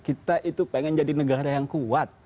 kita itu pengen jadi negara yang kuat